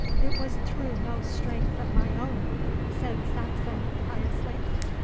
'It was through no strength of mine own,' said Saxon piously.